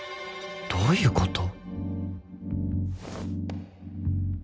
どういうこと！？